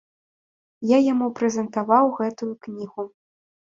Я яму прэзентаваў гэтую кнігу.